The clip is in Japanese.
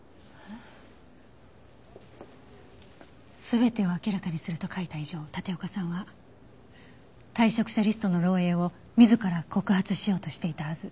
「すべてを明らかにする」と書いた以上立岡さんは退職者リストの漏洩を自ら告発しようとしていたはず。